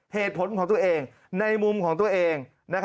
เหตุผลของตัวเองในมุมของตัวเอง